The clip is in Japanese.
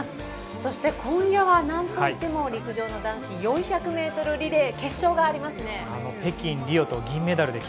そして今夜はなんといっても陸上の男子４００ｍリレー決勝がありますね。